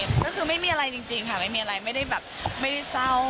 ก็คือไม่มีอะไรจริงค่ะไม่มีอะไรไม่ได้แบบไม่ได้เศร้า